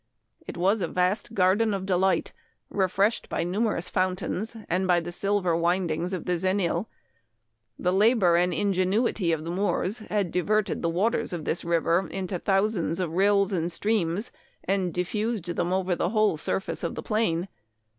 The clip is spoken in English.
It was a vast garden of de light, refreshed by numerous fountains, and by the silver windings of the Xenil. The labor and ingenuity of the Moors had diverted the waters of this river into thousands of rills and streams, and diffused them over the whole sur face of the plain.